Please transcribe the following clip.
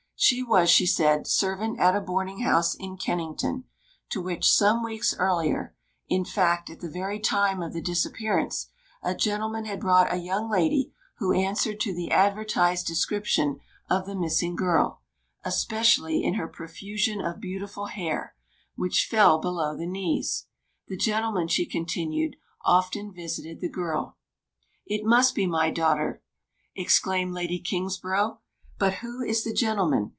She was, she said, servant at a boarding house in Kennington, to which, some weeks earlier (in fact, at the very time of the disappearance), a gentleman had brought a young lady who answered to the advertised description of the missing girl, especially in her profusion of beautiful hair, which fell below the knees. The gentleman, she continued, often visited the girl. "It must be my daughter!" exclaimed Lady Kingsborough. "But who is the gentleman?